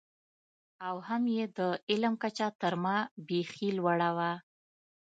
او هم یې د علم کچه تر ما بېخي لوړه وه.